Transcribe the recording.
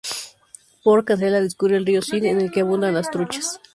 Por Cancela discurre el río Sil, en el que abundan las truchas.